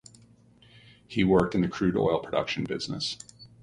He worked in the cruel oil production business.